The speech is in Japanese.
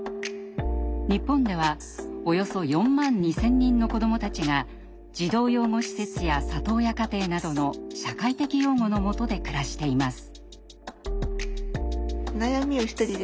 日本ではおよそ４万２千人の子どもたちが児童養護施設や里親家庭などの社会的養護のもとで暮らしています。